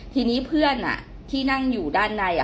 ทีนี้เพื่อนที่นั่งอยู่ด้านใน